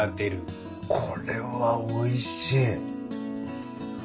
これはおいしい。